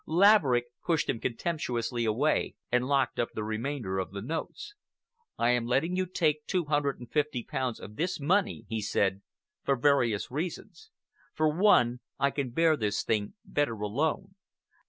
Laverick pushed him contemptuously away and locked up the remainder of the notes. "I am letting you take two hundred and fifty pounds of this money," he said, "for various reasons. For one, I can bear this thing better alone.